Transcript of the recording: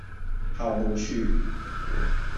校務處